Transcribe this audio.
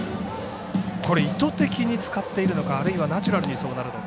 意図的に使っているのかあるいはナチュラルにそうなるのか。